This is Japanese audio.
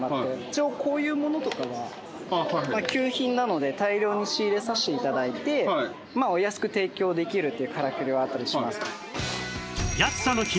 一応こういうものとかは旧品なので大量に仕入れさせて頂いてお安く提供できるというからくりはあったりします。